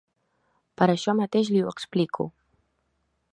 Per això mateix li ho explico.